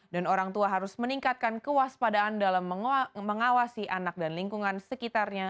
dan orang tua harus meningkatkan kewaspadaan dalam mengawasi anak dan lingkungan sekitarnya